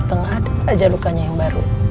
melihat banyak luka di badannya